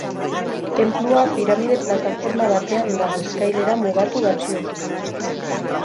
Tenplua piramide plataforma batean dago eskailera mugatu batzuekin.